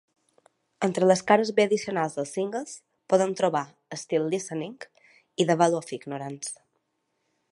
Entre les cares B addicionals dels singles, podem trobar "Still Listening" i "The Value of Ignorance".